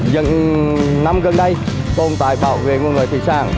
dân năm gần đây tồn tại bảo vệ người người thị sản